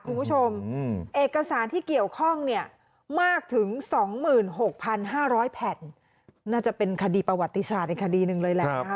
คุณผู้ชมเอกสารที่เกี่ยวข้องเนี่ยมากถึง๒๖๕๐๐แผ่นน่าจะเป็นคดีประวัติศาสตร์อีกคดีหนึ่งเลยแหละนะคะ